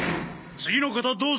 次の方どうぞ。